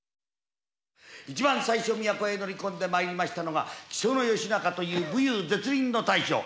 一番最初都へ乗り込んで参りましたのが木曽義仲という武勇絶倫の大将。